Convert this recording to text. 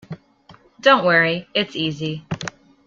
Don’t worry, it’s easy.